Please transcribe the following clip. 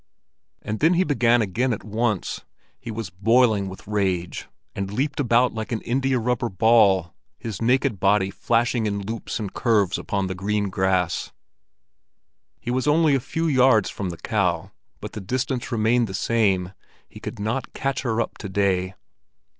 But then he began again at once. He was boiling with rage, and leaped about like an indiarubber ball, his naked body flashing in loops and curves upon the green grass. He was only a few yards from the cow, but the distance remained the same; he could not catch her up to day.